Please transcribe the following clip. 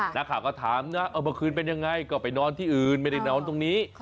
นักข่าวก็ถามนะเอาเมื่อคืนเป็นยังไงก็ไปนอนที่อื่นไม่ได้นอนตรงนี้